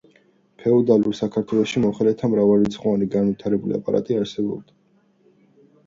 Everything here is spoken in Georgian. ფეოდალურ საქართველოში მოხელეთა მრავალრიცხოვანი განვითარებული აპარატი არსებობდა.